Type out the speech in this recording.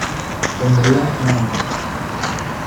你好叻啊